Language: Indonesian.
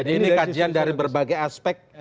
ini kajian dari berbagai aspek